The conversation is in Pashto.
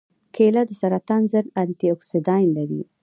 کېله د سرطان ضد انتياکسیدان لري.